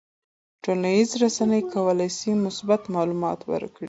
ټولنیزې رسنۍ کولی شي مثبت معلومات ورکړي.